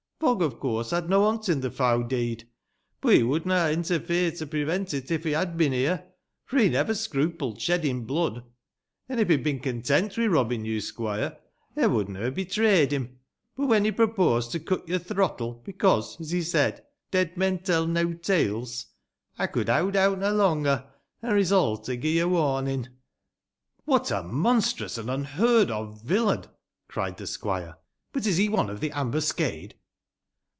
Fogg, of course, had no hont in the fow deed, boh he would na ha' interfered to prevent it if he had bin here, f o' he never scrupled shedding blood. An' if he had bin content wi' robbin' yo, squoire, ey wadna ha' betrayed him ; boh when he proposed to cut your throttle, bekose, os he said, dead men teil neaw teles, ey could howd out nah longer, an' resolved to gi' yo wamin." "What a monstrous and imheard of viUain!" cried the squire. " But is he one of the ambuscade